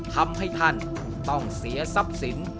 ทำให้ท่านต้องเสียทรัพย์สิน